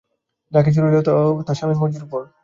যা-কিছু রইল তা স্বামীর মর্জির উপরে।